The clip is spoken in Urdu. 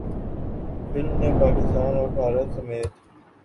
فلم نے پاکستان اور بھارت سمیت